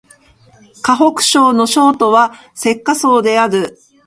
河北省の省都は石家荘である